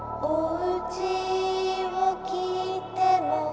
「おうちをきいても」